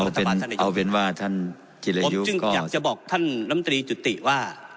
เอาเป็นเอาเป็นว่าท่านจีลายุก็ผมจึงอยากจะบอกท่านน้ำตรีจุติว่า